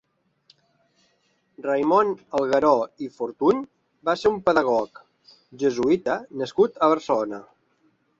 Raimon Algueró i Fortuny va ser un pedagog jesuïta nascut a Barcelona.